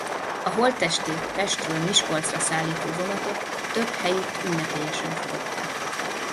A holttestét Pestről Miskolcra szállító vonatot több helyütt ünnepélyesen fogadták.